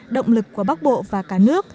động lực của bắc bộ và cả nước